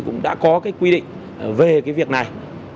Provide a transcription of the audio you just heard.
cũng đã có quy định về việc này